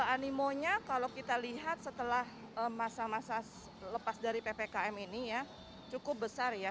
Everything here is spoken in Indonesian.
animonya kalau kita lihat setelah masa masa lepas dari ppkm ini ya cukup besar ya